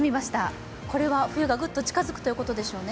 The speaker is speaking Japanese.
これは冬がグッと近づくということでしょうね？